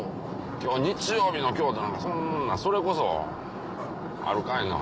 今日日曜日の京都なんかそんなそれこそあるかいな。